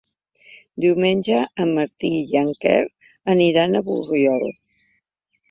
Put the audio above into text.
Diumenge en Martí i en Quer aniran a Borriol.